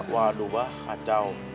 waduh bah kacau